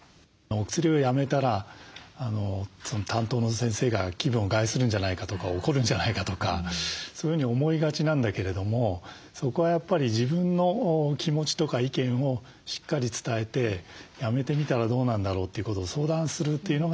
薬をやめたら担当の先生が気分を害するんじゃないかとか怒るんじゃないかとかそういうふうに思いがちなんだけれどもそこはやっぱり自分の気持ちとか意見をしっかり伝えてやめてみたらどうなんだろうということを相談するというのが出発点ですね。